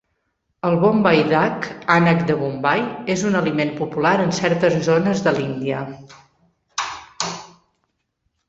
El "Bombay duck" (ànec de Bombai) és un aliment popular en certes zones de l'Índia.